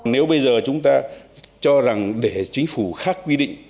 nếu bây giờ chúng ta cho rằng để chính phủ khác quy định